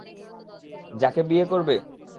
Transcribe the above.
যাকে বিয়ে করবে?